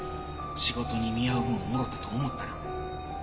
仕事に見合う分をもろたと思ったら。